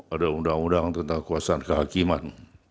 ada undang undang tentang kekuasaan kehakiman